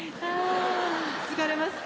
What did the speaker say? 疲れますか？